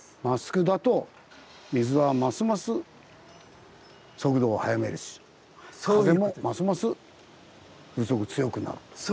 まっすぐだと水はますます速度を速めるし風もますます風速強くなると。